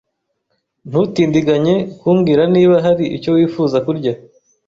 Ntutindiganye kumbwira niba hari icyo wifuza kurya.